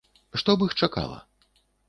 Што б іх чакала?